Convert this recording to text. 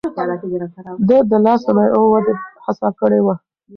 ده د لاس صنايعو ودې هڅه کړې وه.